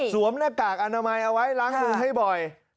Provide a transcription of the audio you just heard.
หน้ากากอนามัยเอาไว้ล้างมือให้บ่อย